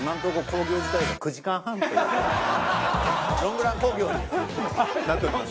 ロングラン興行になっております。